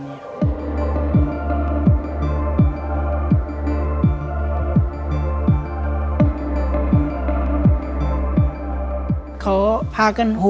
ก็พูดว่าวันนี้มีคนจะมาวางยานักมัวให้ระวังดีนะครับ